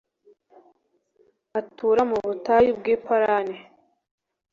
Atura mu butayu bw’i Parani